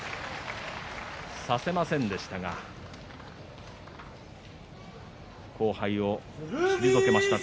差せませんでしたが後輩を退けました。